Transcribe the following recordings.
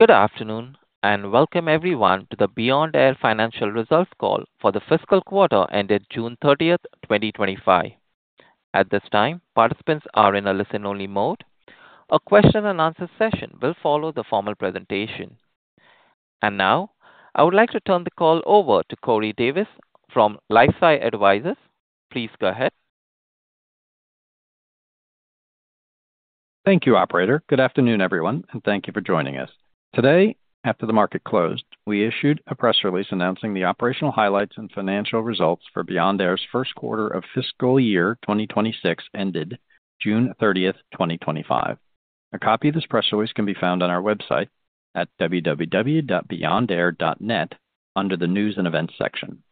Good afternoon and welcome everyone to the Beyond Air Financial Results call for the fiscal quarter ended June 30, 2025. At this time, participants are in a listen-only mode. A question and answer session will follow the formal presentation. I would like to turn the call over to Corey Davis from LifeSci Advisors. Please go ahead. Thank you, operator. Good afternoon, everyone, and thank you for joining us. Today, after the market closed, we issued a press release announcing the operational highlights and financial results for Beyond Air's first quarter of fiscal year 2026 ended June 30, 2025. A copy of this press release can be found on our website at www.beyondair.net under the News and Events section.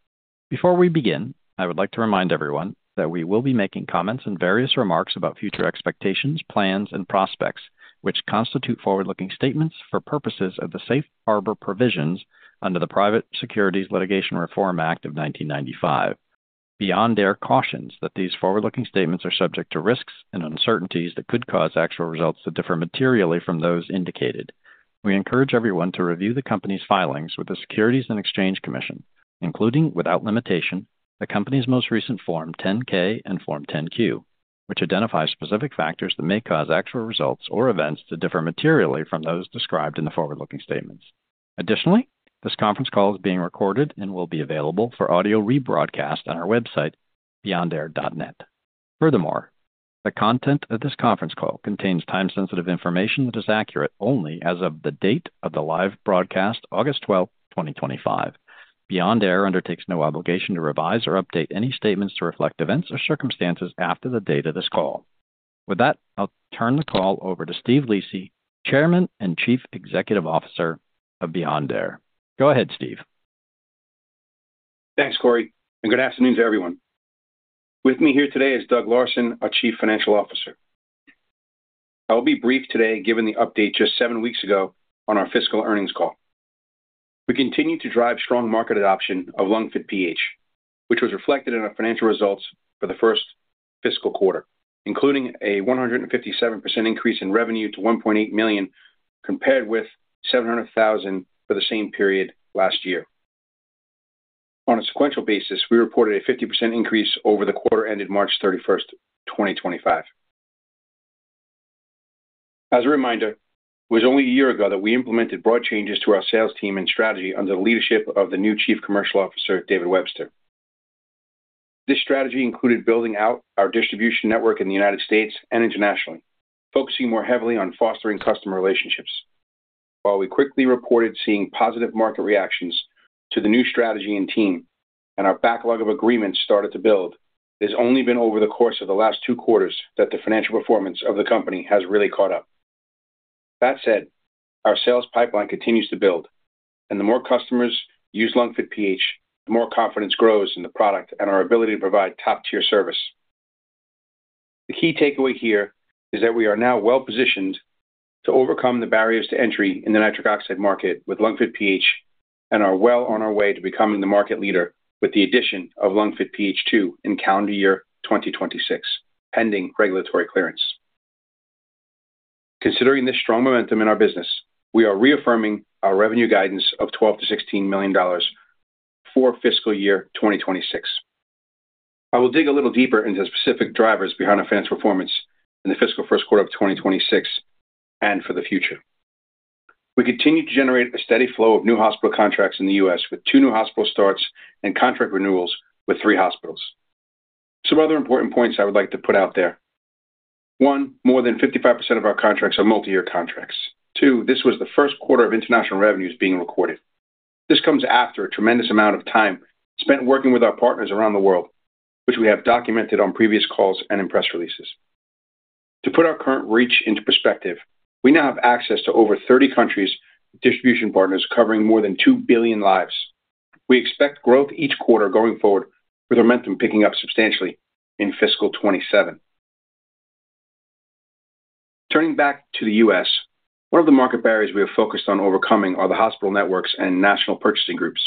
Before we begin, I would like to remind everyone that we will be making comments and various remarks about future expectations, plans, and prospects which constitute forward-looking statements for purposes of the Safe Harbor Provisions under the Private Securities Litigation Reform Act of 1995. Beyond Air cautions that these forward-looking statements are subject to risks and uncertainties that could cause actual results to differ materially from those indicated. We encourage everyone to review the company's filings with the Securities and Exchange Commission, including, without limitation, the company's most recent Form 10-K and Form 10-Q, which identify specific factors that may cause actual results or events to differ materially from those described in the forward-looking statements. Additionally, this conference call is being recorded and will be available for audio rebroadcast on our website, beyondair.net. Furthermore, the content of this conference call contains time-sensitive information that is accurate only as of the date of the live broadcast, August 12, 2025. Beyond Air undertakes no obligation to revise or update any statements to reflect events or circumstances after the date of this call. With that, I'll turn the call over to Steve Lisi, Chairman and Chief Executive Officer of Beyond Air. Go ahead, Steve. Thanks, Corey, and good afternoon to everyone. With me here today is Doug Larson, our Chief Financial Officer. I will be brief today given the update just seven weeks ago on our fiscal earnings call. We continue to drive strong market adoption of LungFit PH, which was reflected in our financial results for the first fiscal quarter, including a 157% increase in revenue to $1.8 million, compared with $700,000 for the same period last year. On a sequential basis, we reported a 50% increase over the quarter ended March 31, 2025. As a reminder, it was only a year ago that we implemented broad changes to our sales team and strategy under the leadership of the new Chief Commercial Officer, David Webster. This strategy included building out our distribution network in the U.S. and internationally, focusing more heavily on fostering customer relationships. While we quickly reported seeing positive market reactions to the new strategy and team, and our backlog of agreements started to build, it has only been over the course of the last two quarters that the financial performance of the company has really caught up. That said, our sales pipeline continues to build, and the more customers use LungFit PH, the more confidence grows in the product and our ability to provide top-tier service. The key takeaway here is that we are now well positioned to overcome the barriers to entry in the nitric oxide market with LungFit PH and are well on our way to becoming the market leader with the addition of LungFit PH2 in calendar year 2026, pending regulatory clearance. Considering this strong momentum in our business, we are reaffirming our revenue guidance of $12 million-$16 million for fiscal year 2026. I will dig a little deeper into the specific drivers behind our financial performance in the fiscal first quarter of 2026 and for the future. We continue to generate a steady flow of new hospital contracts in the U.S., with two new hospital starts and contract renewals with three hospitals. Some other important points I would like to put out there. One, more than 55% of our contracts are multi-year contracts. Two, this was the first quarter of international revenues being recorded. This comes after a tremendous amount of time spent working with our partners around the world, which we have documented on previous calls and in press releases. To put our current reach into perspective, we now have access to over 30 countries' distribution partners covering more than 2 billion lives. We expect growth each quarter going forward, with our momentum picking up substantially in fiscal 2027. Turning back to the U.S., one of the market barriers we have focused on overcoming are the hospital networks and national purchasing groups.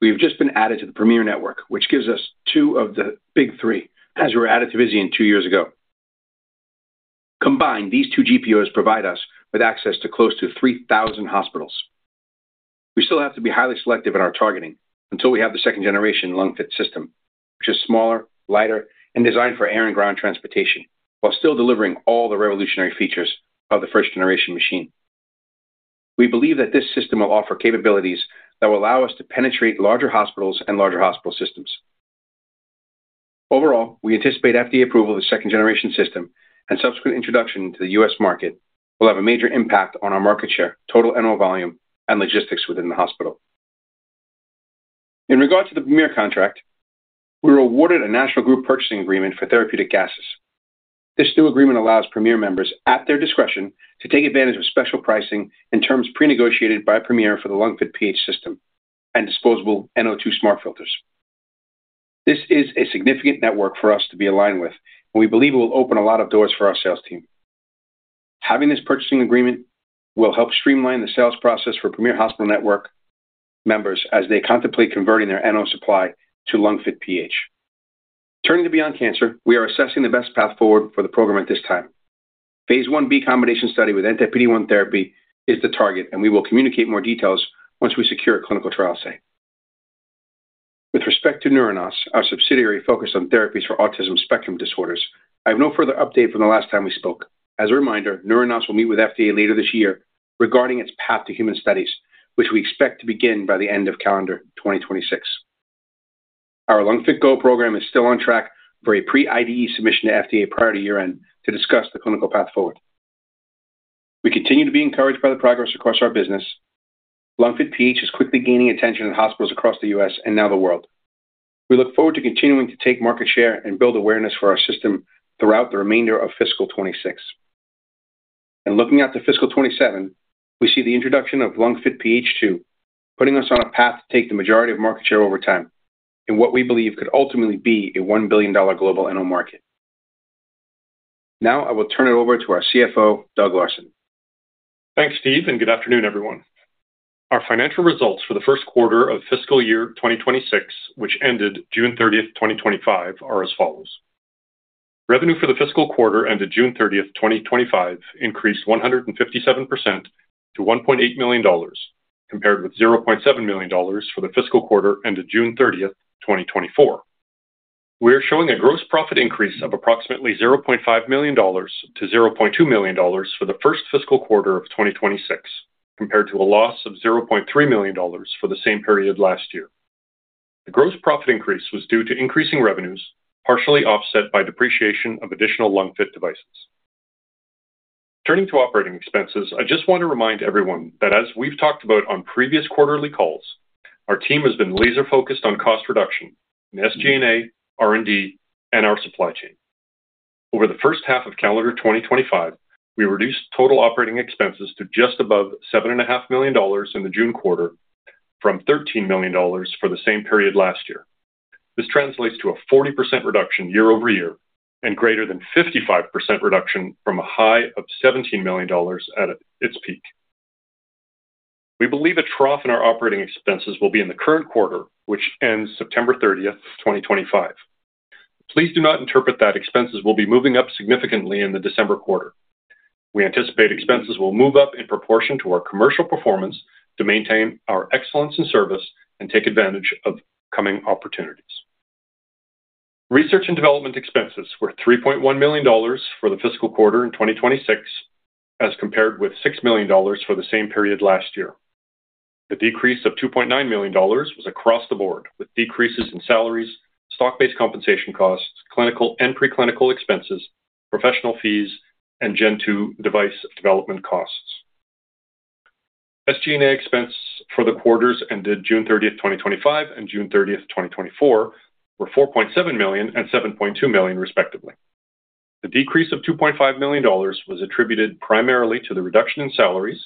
We have just been added to the Premier network, which gives us two of the big three, as we were added to Vizient two years ago. Combined, these two group purchasing organizations provide us with access to close to 3,000 hospitals. We still have to be highly selective in our targeting until we have the second-generation LungFit PH system, which is smaller, lighter, and designed for air and ground transportation, while still delivering all the revolutionary features of the first-generation machine. We believe that this system will offer capabilities that will allow us to penetrate larger hospitals and larger hospital systems. Overall, we anticipate FDA approval of the second-generation system and subsequent introduction to the U.S. market will have a major impact on our market share, total NO volume, and logistics within the hospital. In regard to the Premier contract, we were awarded a national group purchasing agreement for therapeutic gases. This new agreement allows Premier members at their discretion to take advantage of special pricing and terms pre-negotiated by Premier for the LungFit PH system and disposable NO2 smart filters. This is a significant network for us to be aligned with, and we believe it will open a lot of doors for our sales team. Having this purchasing agreement will help streamline the sales process for Premier hospital network members as they contemplate converting their NO supply to LungFit PH. Turning to Beyond Cancer, we are assessing the best path forward for the program at this time. Phase IB combination study with anti-PD-1 therapy is the target, and we will communicate more details once we secure a clinical trial site. With respect to Neuronos, our subsidiary focused on therapies for autism spectrum disorders, I have no further update from the last time we spoke. As a reminder, Neuronos will meet with FDA later this year regarding its path to human studies, which we expect to begin by the end of calendar 2026. Our LungFit Go program is still on track for a pre-IDE submission to FDA prior to year end to discuss the clinical path forward. We continue to be encouraged by the progress across our business. LungFit PH is quickly gaining attention in hospitals across the U.S. and now the world. We look forward to continuing to take market share and build awareness for our system throughout the remainder of fiscal 2026. Looking out to fiscal 2027, we see the introduction of LungFit PH2 putting us on a path to take the majority of market share over time in what we believe could ultimately be a $1 billion global NO market. Now, I will turn it over to our CFO, Doug Larson. Thanks, Steve, and good afternoon, everyone. Our financial results for the first quarter of fiscal year 2026, which ended June 30th, 2025, are as follows. Revenue for the fiscal quarter ended June 30th, 2025, increased 157% to $1.8 million, compared with $0.7 million for the fiscal quarter ended June 30th, 2024. We are showing a gross profit increase of approximately $0.5 million-$0.2 million for the first fiscal quarter of 2026, compared to a loss of $0.3 million for the same period last year. The gross profit increase was due to increasing revenues, partially offset by depreciation of additional LungFit devices. Turning to operating expenses, I just want to remind everyone that as we've talked about on previous quarterly calls, our team has been laser-focused on cost reduction in SG&A, R&D, and our supply chain. Over the first half of calendar 2025, we reduced total operating expenses to just above $7.5 million in the June quarter, from $13 million for the same period last year. This translates to a 40% reduction year-over-year and greater than 55% reduction from a high of $17 million at its peak. We believe a trough in our operating expenses will be in the current quarter, which ends September 30th, 2025. Please do not interpret that expenses will be moving up significantly in the December quarter. We anticipate expenses will move up in proportion to our commercial performance to maintain our excellence in service and take advantage of upcoming opportunities. Research and development expenses were $3.1 million for the fiscal quarter in 2026, as compared with $6 million for the same period last year. The decrease of $2.9 million was across the board, with decreases in salaries, stock-based compensation costs, clinical and preclinical expenses, professional fees, and Gen 2 device development costs. SG&A expense for the quarters ended June 30th, 2025, and June 30th, 2024, were $4.7 million and $7.2 million, respectively. The decrease of $2.5 million was attributed primarily to the reduction in salaries,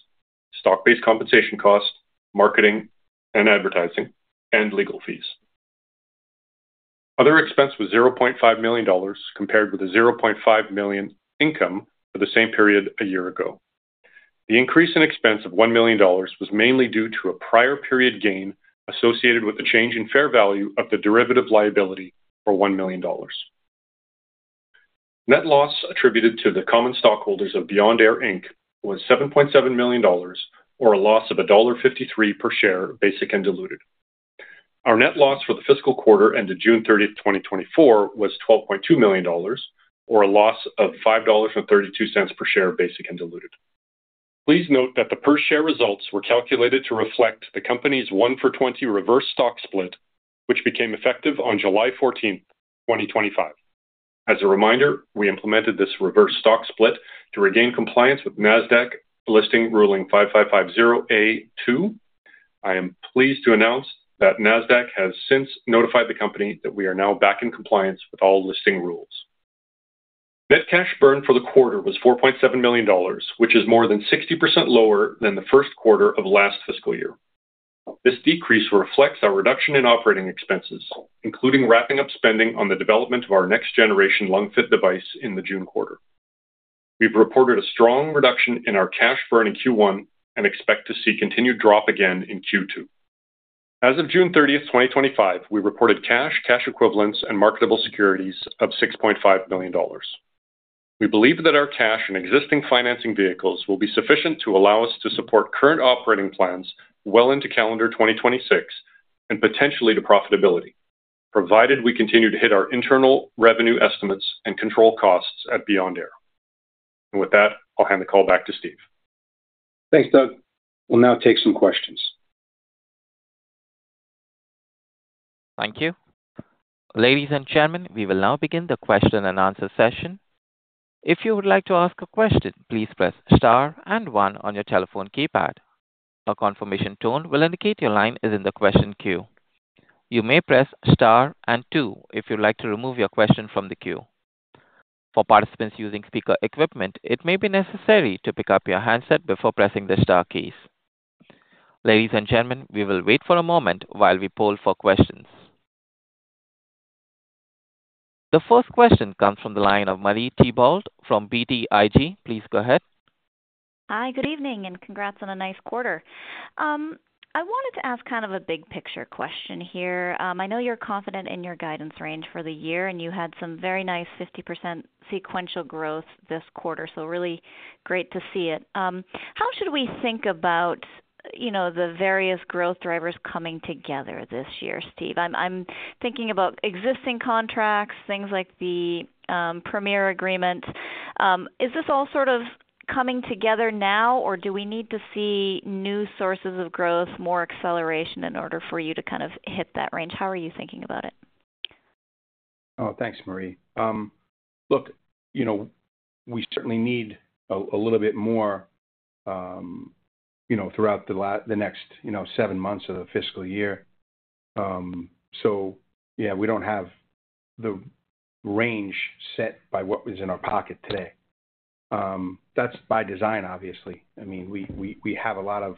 stock-based compensation costs, marketing and advertising, and legal fees. Other expense was $0.5 million, compared with a $0.5 million income for the same period a year ago. The increase in expense of $1 million was mainly due to a prior period gain associated with the change in fair value of the derivative liability for $1 million. Net loss attributed to the common stockholders of Beyond Air Inc. was $7.7 million, or a loss of $1.53 per share, basic and diluted. Our net loss for the fiscal quarter ended June 30, 2024, was $12.2 million, or a loss of $5.32 per share, basic and diluted. Please note that the per share results were calculated to reflect the company's one-for-20 reverse stock split, which became effective on July 14, 2025. We implemented this reverse stock split to regain compliance with NASDAQ listing ruling 555-0A-2. I am pleased to announce that NASDAQ has since notified the company that we are now back in compliance with all listing rules. Net cash burn for the quarter was $4.7 million, which is more than 60% lower than the first quarter of last fiscal year. This decrease reflects our reduction in operating expenses, including wrapping up spending on the development of our next-generation LungFit PH device in the June quarter. We've reported a strong reduction in our cash burn in Q1 and expect to see continued drop again in Q2. As of June 30, 2025, we reported cash, cash equivalents, and marketable securities of $6.5 million. We believe that our cash and existing financing vehicles will be sufficient to allow us to support current operating plans well into calendar 2026 and potentially to profitability, provided we continue to hit our internal revenue estimates and control costs at Beyond Air. With that, I'll hand the call back to Steve. Thanks, Doug. We'll now take some questions. Thank you. Ladies and gentlemen, we will now begin the question and answer session. If you would like to ask a question, please press star and one on your telephone keypad. A confirmation tone will indicate your line is in the question queue. You may press star and two if you'd like to remove your question from the queue. For participants using speaker equipment, it may be necessary to pick up your handset before pressing the star keys. Ladies and gentlemen, we will wait for a moment while we poll for questions. The first question comes from the line of Marie Thibault from BTIG. Please go ahead. Hi, good evening, and congrats on a nice quarter. I wanted to ask kind of a big picture question here. I know you're confident in your guidance range for the year, and you had some very nice 50% sequential growth this quarter, so really great to see it. How should we think about, you know, the various growth drivers coming together this year, Steve? I'm thinking about existing contracts, things like the Premier agreement. Is this all sort of coming together now, or do we need to see new sources of growth, more acceleration in order for you to kind of hit that range? How are you thinking about it? Thanks, Marie. Look, we certainly need a little bit more throughout the next seven months of the fiscal year. We don't have the range set by what is in our pocket today. That's by design, obviously. We have a lot of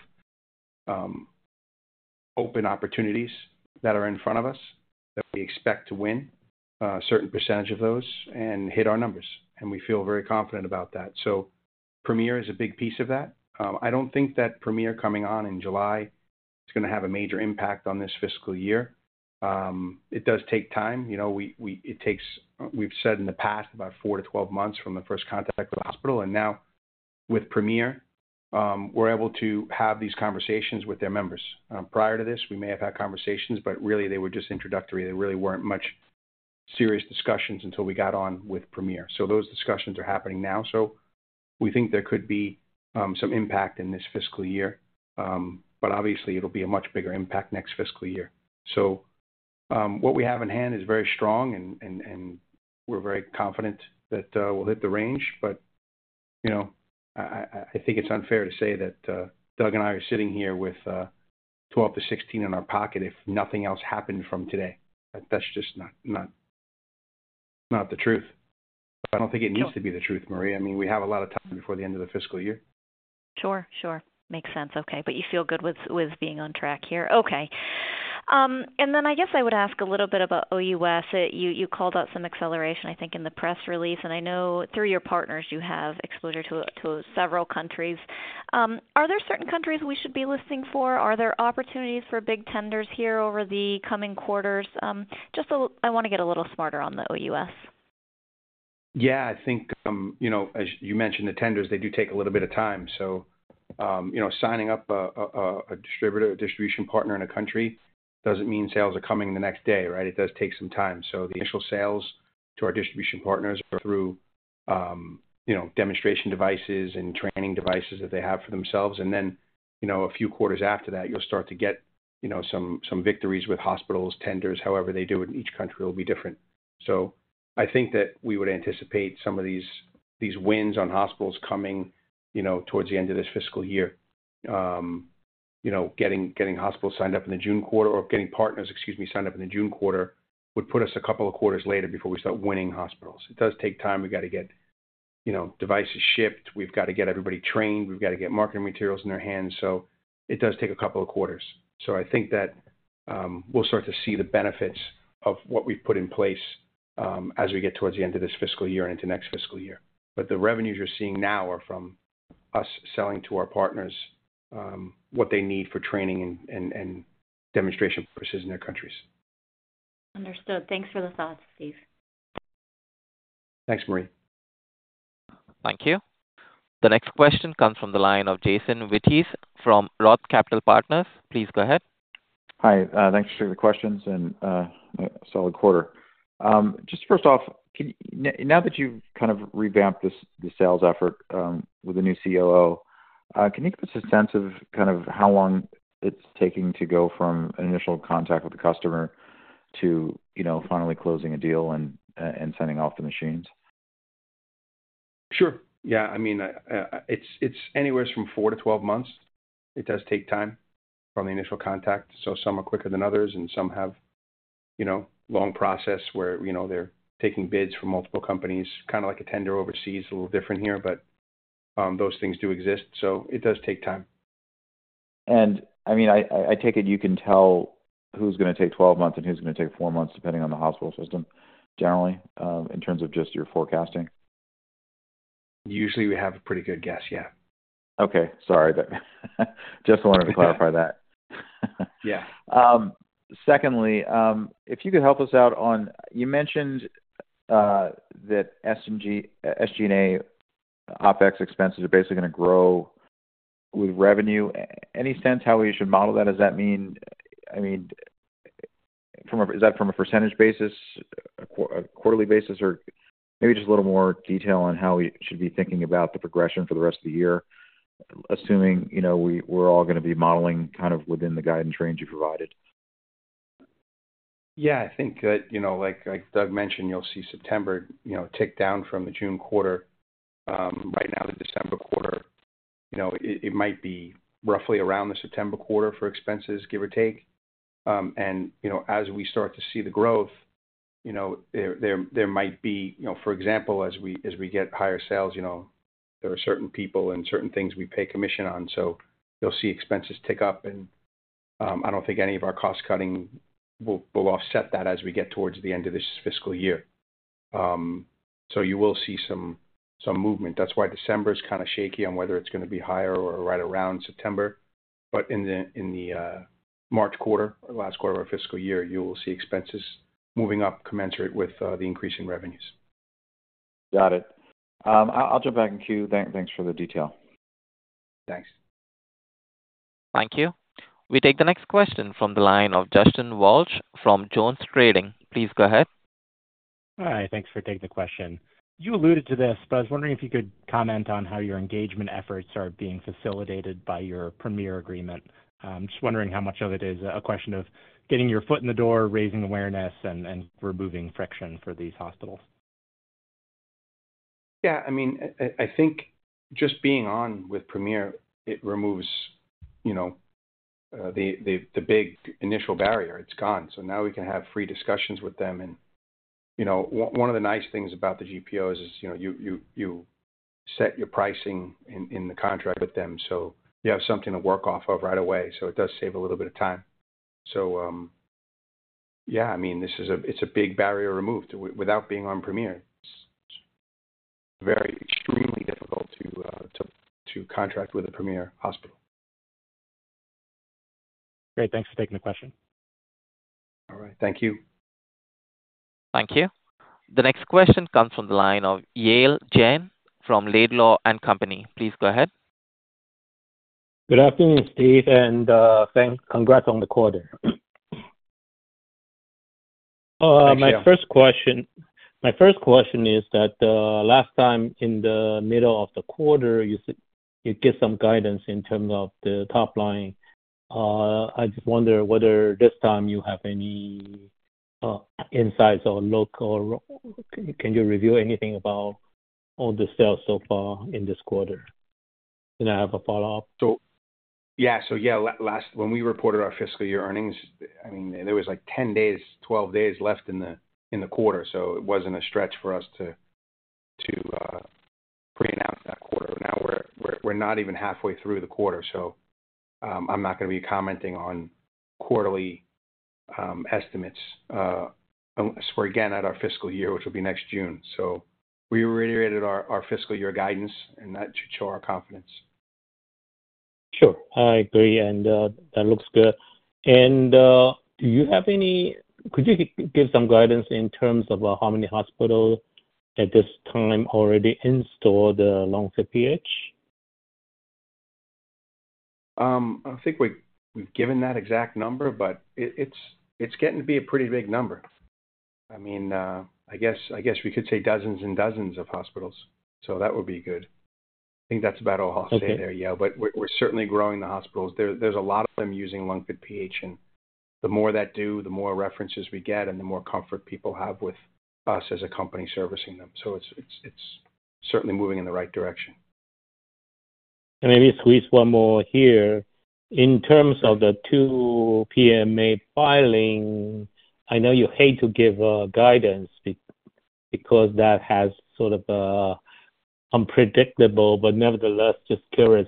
open opportunities that are in front of us that we expect to win a certain percentage of and hit our numbers, and we feel very confident about that. Premier is a big piece of that. I don't think that Premier coming on in July is going to have a major impact on this fiscal year. It does take time. We've said in the past about four to twelve months from the first contact with the hospital, and now with Premier, we're able to have these conversations with their members. Prior to this, we may have had conversations, but really they were just introductory. They really weren't much serious discussions until we got on with Premier. Those discussions are happening now. We think there could be some impact in this fiscal year, but obviously it'll be a much bigger impact next fiscal year. What we have in hand is very strong, and we're very confident that we'll hit the range, but I think it's unfair to say that Doug and I are sitting here with $12 million-$16 million in our pocket if nothing else happened from today. That's just not the truth. I don't think it needs to be the truth, Marie. We have a lot of time before the end of the fiscal year. Sure. Makes sense. Okay, you feel good with being on track here? Okay. I would ask a little bit about OUS. You called out some acceleration, I think, in the press release, and I know through your partners you have exposure to several countries. Are there certain countries we should be listening for? Are there opportunities for big tenders here over the coming quarters? I want to get a little smarter on the OUS. I think, as you mentioned, the tenders do take a little bit of time. Signing up a distributor, a distribution partner in a country doesn't mean sales are coming the next day, right? It does take some time. The initial sales to our distribution partners are through demonstration devices and training devices that they have for themselves. A few quarters after that, you'll start to get some victories with hospitals, tenders, however they do it in each country will be different. I think that we would anticipate some of these wins on hospitals coming towards the end of this fiscal year. Getting hospitals signed up in the June quarter or getting partners, excuse me, signed up in the June quarter would put us a couple of quarters later before we start winning hospitals. It does take time. We've got to get devices shipped. We've got to get everybody trained. We've got to get marketing materials in their hands. It does take a couple of quarters. I think that we'll start to see the benefits of what we've put in place as we get towards the end of this fiscal year and into next fiscal year. The revenues you're seeing now are from us selling to our partners what they need for training and demonstration purposes in their countries. Understood. Thanks for the thoughts, Steve. Thanks, Marie. Thank you. The next question comes from the line of Jason Wittes from Roth Capital Partners. Please go ahead. Hi, thanks for taking the questions and a solid quarter. Just first off, now that you've kind of revamped this sales effort with the new CEO, can you give us a sense of how long it's taking to go from an initial contact with the customer to finally closing a deal and sending off the machines? Sure. Yeah, I mean, it's anywhere from four to twelve months. It does take time from the initial contact. Some are quicker than others, and some have a long process where they're taking bids from multiple companies, kind of like a tender overseas, a little different here, but those things do exist. It does take time. I mean, I take it you can tell who's going to take 12 months and who's going to take 4 months, depending on the hospital system generally, in terms of just your forecasting? Usually, we have a pretty good guess, yeah. Okay, sorry, just wanted to clarify that. Yeah. Secondly, if you could help us out on, you mentioned that SG&A operating expenses are basically going to grow with revenue. Any sense how we should model that? Does that mean, I mean, is that from a percent basis, a quarterly basis, or maybe just a little more detail on how we should be thinking about the progression for the rest of the year, assuming, you know, we're all going to be modeling kind of within the guidance range you provided? I think that, like Doug mentioned, you'll see September tick down from the June quarter right now to the December quarter. It might be roughly around the September quarter for expenses, give or take. As we start to see the growth, there might be, for example, as we get higher sales, there are certain people and certain things we pay commission on. You'll see expenses tick up, and I don't think any of our cost cutting will offset that as we get towards the end of this fiscal year. You will see some movement. That's why December is kind of shaky on whether it's going to be higher or right around September. In the March quarter, last quarter of our fiscal year, you will see expenses moving up commensurate with the increase in revenues. Got it. I'll jump back in queue. Thanks for the detail. Thanks. Thank you. We take the next question from the line of Justin Walsh from JonesTrading. Please go ahead. Hi, thanks for taking the question. You alluded to this, but I was wondering if you could comment on how your engagement efforts are being facilitated by your Premier agreement. Just wondering how much of it is a question of getting your foot in the door, raising awareness, and removing friction for these hospitals. I think just being on with Premier removes the big initial barrier. It's gone. Now we can have free discussions with them. One of the nice things about the group purchasing organizations is you set your pricing in the contract with them, so you have something to work off of right away. It does save a little bit of time. This is a big barrier removed. Without being on Premier, it's extremely difficult to contract with a Premier hospital. Great, thanks for taking the question. All right, thank you. Thank you. The next question comes from the line of Yale Jen from Laidlaw & Company. Please go ahead. Good afternoon, Steve, and congrats on the quarter. My first question is that last time in the middle of the quarter, you gave some guidance in terms of the top line. I just wonder whether this time you have any insights or look or can you review anything about all the sales so far in this quarter? I have a follow-up. Yeah, last when we reported our fiscal year earnings, I mean, there was like 10 days, 12 days left in the quarter. It wasn't a stretch for us to pre-announce that quarter. Now we're not even halfway through the quarter. I'm not going to be commenting on quarterly estimates. We're again at our fiscal year, which will be next June. We reiterated our fiscal year guidance and that should show our confidence. Sure, I agree, that looks good. Do you have any, could you give some guidance in terms of how many hospitals at this time already install the LungFit PH? I think we've given that exact number, but it's getting to be a pretty big number. I mean, I guess we could say dozens and dozens of hospitals. That would be good. I think that's about all hospitals there, yeah, but we're certainly growing the hospitals. There are a lot of them using LungFit PH, and the more that do, the more references we get and the more comfort people have with us as a company servicing them. It's certainly moving in the right direction. Maybe squeeze one more here. In terms of the 2 PMA filing, I know you hate to give guidance because that has sort of an unpredictable, but nevertheless, just curious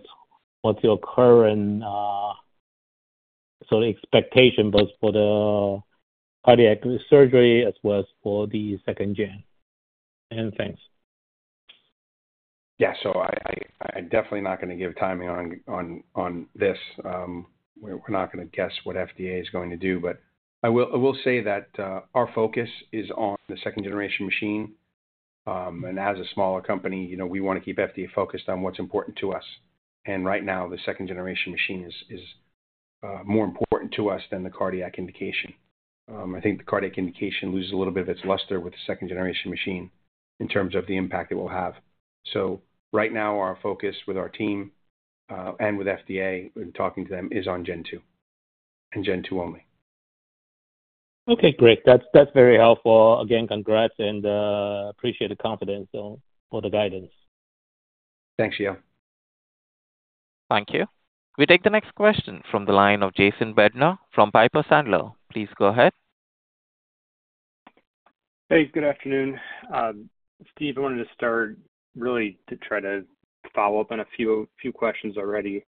what's your current sort of expectation, both for the cardiac surgery as well as for the second gen. Thanks. I'm definitely not going to give timing on this. We're not going to guess what the FDA is going to do, but I will say that our focus is on the second-generation machine. As a smaller company, we want to keep the FDA focused on what's important to us. Right now, the second-generation machine is more important to us than the cardiac indication. I think the cardiac indication loses a little bit of its luster with the second-generation machine in terms of the impact it will have. Right now, our focus with our team and with the FDA and talking to them is on Gen 2 and Gen 2 only. Okay, great. That's very helpful. Again, congrats and appreciate the confidence for the guidance. Thanks, Yale. Thank you. We take the next question from the line of Jason Bednar from Piper Sandler. Please go ahead. Hey, good afternoon. Steve, I wanted to start really to try to follow up on a few questions already.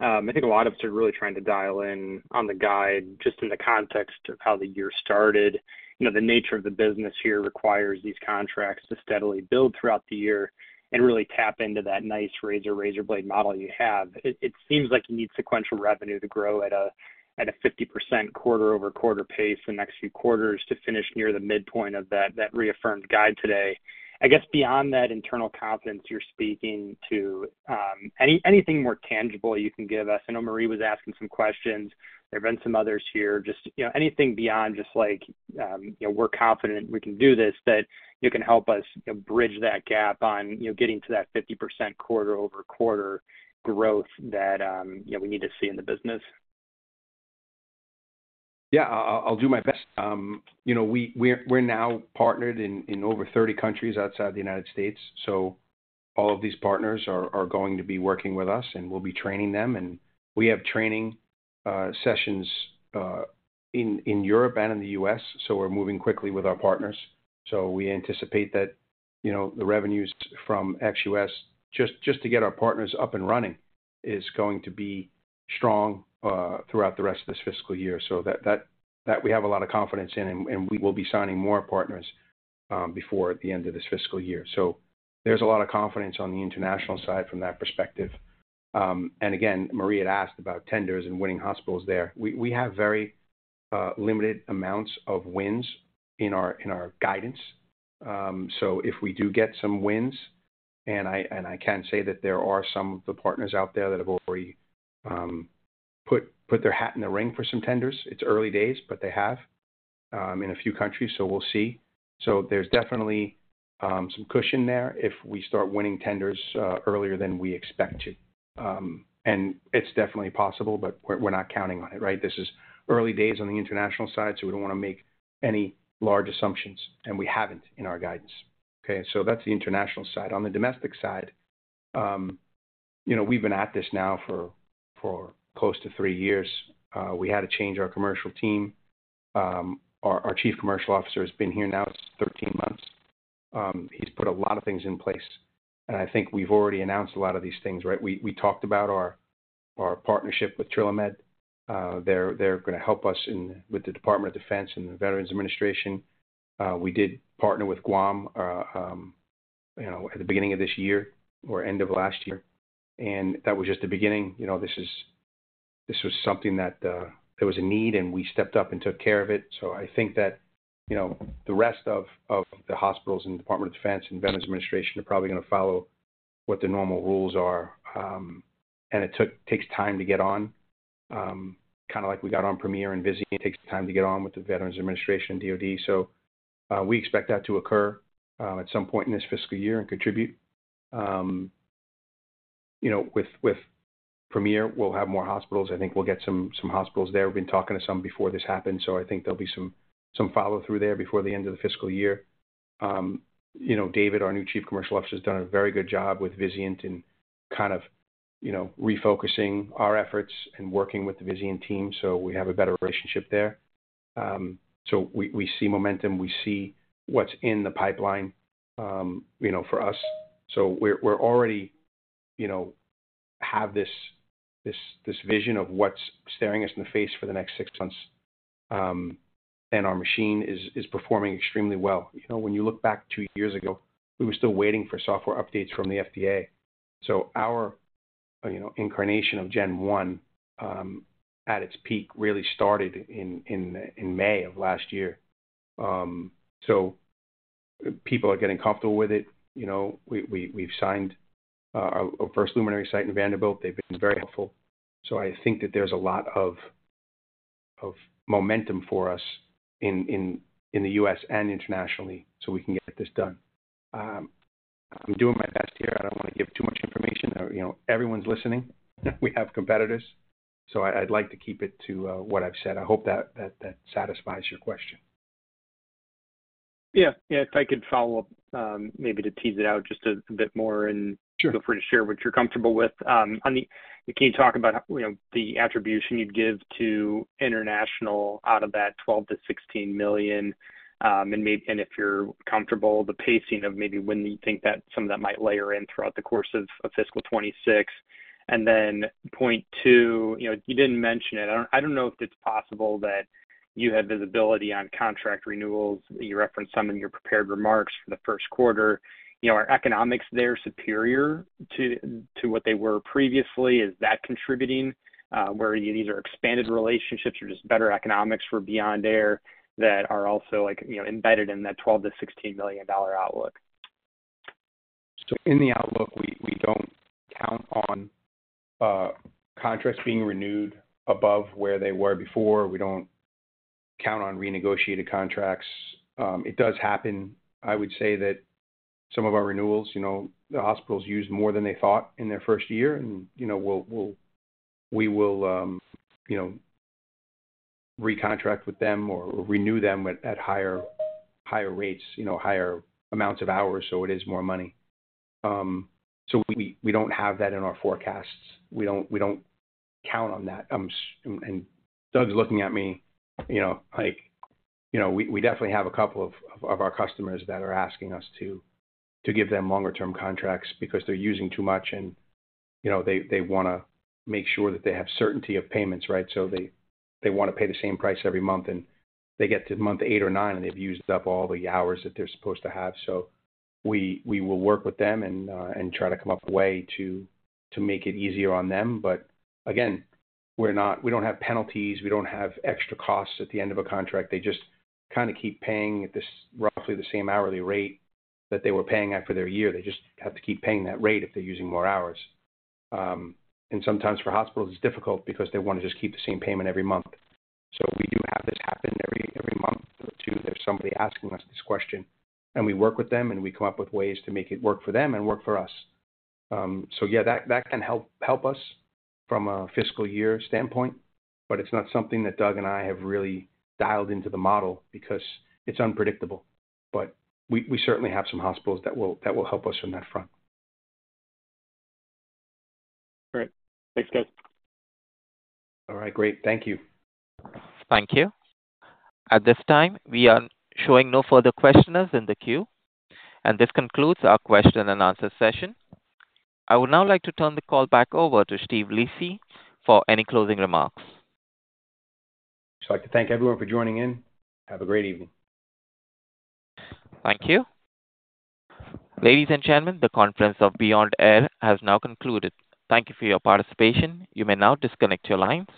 I think a lot of us are really trying to dial in on the guide just in the context of how the year started. You know, the nature of the business here requires these contracts to steadily build throughout the year and really tap into that nice razor-razor-blade business model you have. It seems like you need sequential revenue to grow at a 50% quarter-over-quarter pace in the next few quarters to finish near the midpoint of that reaffirmed guide today. I guess beyond that internal confidence, you're speaking to anything more tangible you can give us. I know Marie was asking some questions. There have been some others here. Just, you know, anything beyond just like, you know, we're confident we can do this, that you can help us bridge that gap on, you know, getting to that 50% quarter-over-quarter growth that, you know, we need to see in the business. Yeah, I'll do my best. You know, we're now partnered in over 30 countries outside the U.S. All of these partners are going to be working with us and we will be training them. We have training sessions in Europe and in the U.S. We're moving quickly with our partners. We anticipate that the revenues from ex-U.S., just to get our partners up and running, are going to be strong throughout the rest of this fiscal year. We have a lot of confidence in that and we will be signing more partners before the end of this fiscal year. There's a lot of confidence on the international side from that perspective. Marie had asked about tenders and winning hospitals there. We have very limited amounts of wins in our guidance. If we do get some wins, and I can say that there are some of the partners out there that have already put their hat in the ring for some tenders, it's early days, but they have in a few countries. We'll see. There's definitely some cushion there if we start winning tenders earlier than we expect to. It's definitely possible, but we're not counting on it, right? This is early days on the international side, so we don't want to make any large assumptions, and we haven't in our guidance. That's the international side. On the domestic side, we've been at this now for close to three years. We had to change our commercial team. Our Chief Commercial Officer has been here now 13 months. He's put a lot of things in place. I think we've already announced a lot of these things, right? We talked about our partnership with TrillaMed. They're going to help us with the Department of Defense and the Veterans Administration. We did partner with Guam at the beginning of this year or end of last year. That was just the beginning. This was something that there was a need and we stepped up and took care of it. I think that the rest of the hospitals and the Department of Defense and Veterans Administration are probably going to follow what the normal rules are. It takes time to get on, kind of like we got on Premier and Vizient. It takes time to get on with the Veterans Administration and DOD. We expect that to occur at some point in this fiscal year and contribute. With Premier, we'll have more hospitals. I think we'll get some hospitals there. We've been talking to some before this happened. I think there'll be some follow-through there before the end of the fiscal year. David, our new Chief Commercial Officer, has done a very good job with Vizient and refocusing our efforts and working with the Vizient team so we have a better relationship there. We see momentum. We see what's in the pipeline for us. We already have this vision of what's staring us in the face for the next six months. Our machine is performing extremely well. When you look back two years ago, we were still waiting for software updates from the FDA. Our incarnation of Gen 1 at its peak really started in May of last year. People are getting comfortable with it. We've signed our first luminary site in Vanderbilt. They've been very helpful. I think that there's a lot of momentum for us in the U.S. and internationally so we can get this done. I'm doing my best here. I don't want to give too much information. Everyone's listening. We have competitors. I'd like to keep it to what I've said. I hope that satisfies your question. If I could follow up maybe to tease it out just a bit more and feel free to share what you're comfortable with. Can you talk about the attribution you'd give to international out of that $12 million-$16 million? If you're comfortable, the pacing of maybe when you think that some of that might layer in throughout the course of fiscal 2026. Point two, you didn't mention it. I don't know if it's possible that you have visibility on contract renewals. You referenced some in your prepared remarks for the first quarter. Are economics there superior to what they were previously? Is that contributing? Where these are expanded relationships or just better economics for Beyond Air that are also embedded in that $12 million-$16 million outlook? In the outlook, we don't count on contracts being renewed above where they were before. We don't count on renegotiated contracts. It does happen. I would say that some of our renewals, you know, the hospitals use more than they thought in their first year. We will, you know, recontract with them or renew them at higher rates, higher amounts of hours. It is more money. We don't have that in our forecasts. We don't count on that. Doug's looking at me, you know, like, you know, we definitely have a couple of our customers that are asking us to give them longer-term contracts because they're using too much. They want to make sure that they have certainty of payments, right? They want to pay the same price every month. They get to month eight or nine, and they've used up all the hours that they're supposed to have. We will work with them and try to come up with a way to make it easier on them. Again, we're not, we don't have penalties. We don't have extra costs at the end of a contract. They just kind of keep paying at this roughly the same hourly rate that they were paying after their year. They just have to keep paying that rate if they're using more hours. Sometimes for hospitals, it's difficult because they want to just keep the same payment every month. We do have this happen every month or two. There's somebody asking us this question. We work with them, and we come up with ways to make it work for them and work for us. That can help us from a fiscal year standpoint. It's not something that Doug and I have really dialed into the model because it's unpredictable. We certainly have some hospitals that will help us from that front. All right. Thanks, guys. All right, great. Thank you. Thank you. At this time, we are showing no further questioners in the queue. This concludes our question and answer session. I would now like to turn the call back over to Steve Lisi for any closing remarks. I'd like to thank everyone for joining in. Have a great evening. Thank you. Ladies and gentlemen, the conference of Beyond Air has now concluded. Thank you for your participation. You may now disconnect your lines.